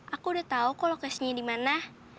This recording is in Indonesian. aku udah tahu kok lokasinya di mana